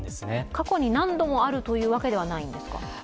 過去に何度もあるというわけではないんですか？